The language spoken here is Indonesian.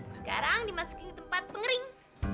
sekarang dimasukin ke tempat pengering